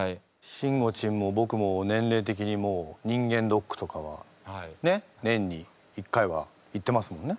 しんごちんもぼくも年齢的にもう人間ドックとかはねっ年に１回は行ってますもんね。